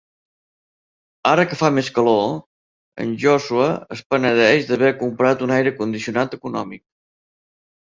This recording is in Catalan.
Ara que fa més calor, en Joshua es penedeix d'haver comprar un aire condicionat econòmic.